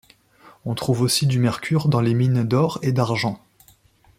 On trouve aussi du mercure dans les mines d'or et d'argent.